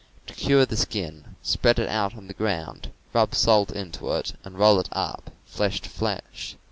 To cure the skin, spread is out on the ground, rub salt into it and roll it up, flesh to flesh.